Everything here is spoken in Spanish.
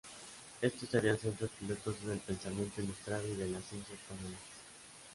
Estos serían centros pilotos del pensamiento ilustrado y de la ciencia españoles.